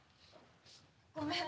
ごめん。